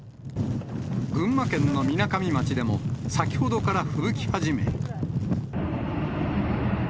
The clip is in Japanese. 群馬県のみなかみ町でも、先ほどからふぶき始め。